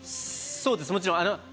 そうです。